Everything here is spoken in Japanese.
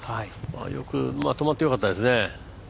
よく止まってよかったですね。